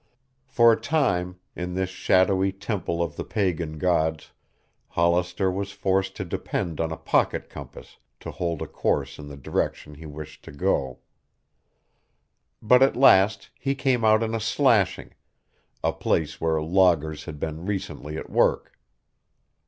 For a time, in this shadowy temple of the pagan gods, Hollister was forced to depend on a pocket compass to hold a course in the direction he wished to go. But at last he came out in a slashing, a place where loggers had been recently at work.